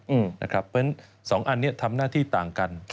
เพราะฉะนั้น๒อันนี้ทำหน้าที่ต่างกัน